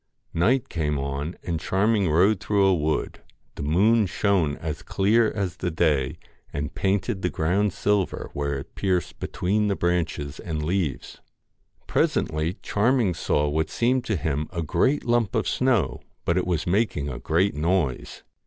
Night came on, and Charming rode through a wood. The moon shone as clear as the day and painted the ground silver, where it pierced between the branches and leaves. Presently Charming saw what seemed to him a great lump of snow, but it was making a great noise.